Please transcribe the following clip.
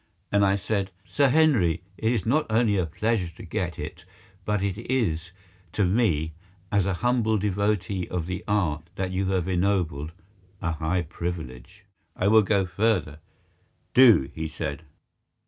and I said, "Sir Henry, it is not only a pleasure to get it but it is to me, as a humble devotee of the art that you have ennobled, a high privilege. I will go further—" "Do," he said.